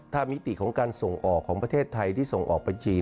ถ้ามิติของการส่งออกของประเทศไทยที่ส่งออกบัญชี